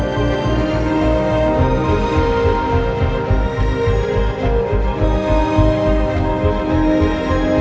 saya yakin kau pasti bisa